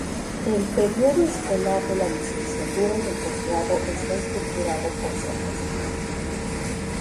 El periodo escolar de la licenciatura y del posgrado está estructurado por semestres.